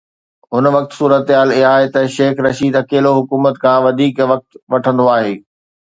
هن وقت صورتحال اها آهي ته شيخ رشيد اڪيلو حڪومت کان وڌيڪ وقت وٺندو آهي.